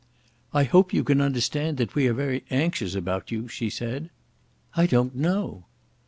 "I hope you can understand that we are very anxious about you," she said. "I don't know."